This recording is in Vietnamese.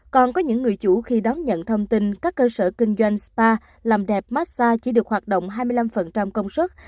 còn có những người chủ khi đón nhận thông tin các cơ sở kinh doanh spa làm đẹp massage chỉ được hoạt động hai mươi năm công suất